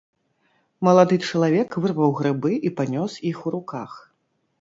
Малады чалавек вырваў грыбы і панёс іх у руках.